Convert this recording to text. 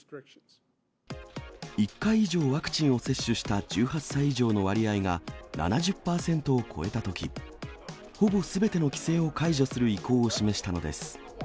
１回以上ワクチンを接種した１８歳以上の割合が、７０％を超えたとき、ほぼすべての規制を解除する意向を示したのです。